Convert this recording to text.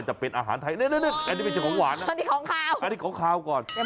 เจอกระสอบซ้าย